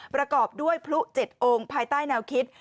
ประกอบด้วยพลุ๗องค์ภายใต้แนวคิด